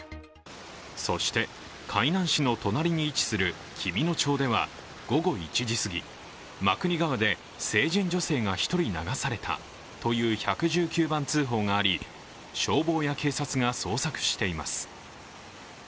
そして、海南市の隣に位置する紀美野町では、午後１時過ぎ、真国川で成人女性が１人流されたという１１９番通報があり、消防や警察が捜索しています。